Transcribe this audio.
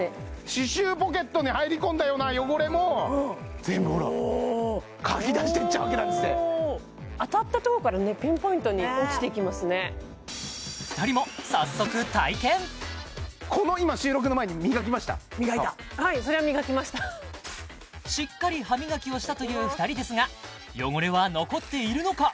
歯周ポケットに入り込んだような汚れも全部ほらかき出していっちゃうわけなんです当たったところからねピンポイントに落ちていきますね２人も早速体験この今はいそれは磨きましたしっかり歯磨きをしたという２人ですが汚れは残っているのか？